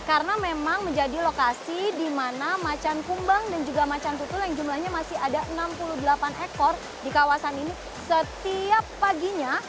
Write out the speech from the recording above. karena memang menjadi lokasi dimana macan kumbang dan juga macan putul yang jumlahnya masih ada enam puluh delapan ekor di kawasan ini setiap paginya